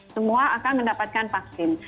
semua akan mendapatkan vaksin